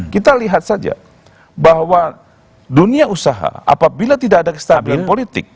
kita lihat saja bahwa dunia usaha apabila tidak ada kestabilan politik